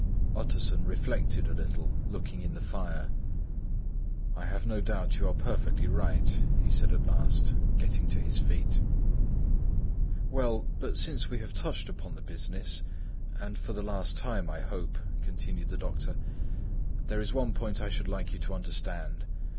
Utterson reflected a little, looking in the fire. "I have no doubt you are perfectly right," he said at last, getting to his feet. "Well, but since we have touched upon this business, and for the last time I hope," continued the doctor, "there is one point I should like you to understand.